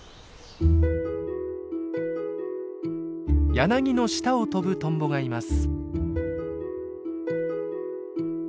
柳の下を飛ぶトンボがいます。